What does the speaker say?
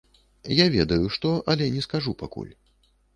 Я ведаю што, але не скажу пакуль.